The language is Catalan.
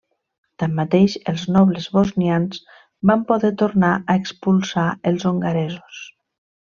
Tanmateix, els nobles bosnians van poder tornar a expulsar els hongaresos.